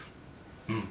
うん。